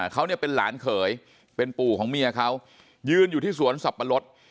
เขาเนี่ยเป็นหลานเขยเป็นปู่ของเมียเขายืนอยู่ที่สวนสับปะรด